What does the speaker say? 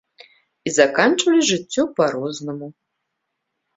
І заканчвалі жыццё па-рознаму.